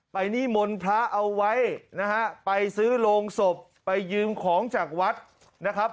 นิมนต์พระเอาไว้นะฮะไปซื้อโรงศพไปยืมของจากวัดนะครับ